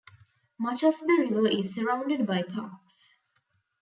Much of the river is surrounded by parks.